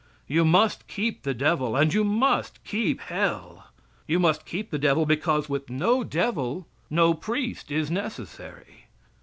You must keep the devil and, you must keep Hell. You must keep the devil, because with no devil no priest is necessary.